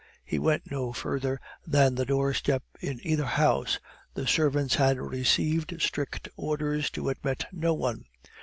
He went no further than the doorstep in either house. The servants had received strict orders to admit no one.